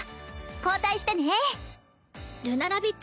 交代してね。